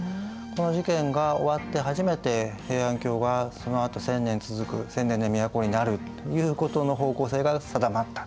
この事件が終わって初めて平安京がそのあと千年続く千年の都になるということの方向性が定まった。